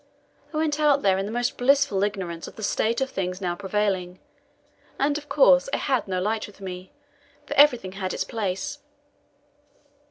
I went out there in the most blissful ignorance of the state of things now prevailing, and, of course, I had no light with me, for everything had its place.